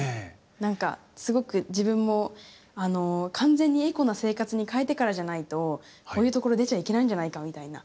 何かすごく自分も完全にエコな生活に変えてからじゃないとこういうところ出ちゃいけないんじゃないかみたいな。